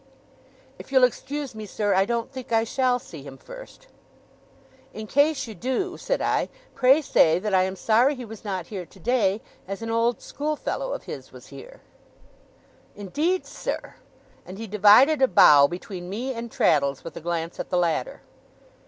'If you'll excuse me, sir, I don't think I shall see him first.' 'In case you do,' said I, 'pray say that I am sorry he was not here today, as an old schoolfellow of his was here.' 'Indeed, sir!' and he divided a bow between me and Traddles, with a glance at the latter.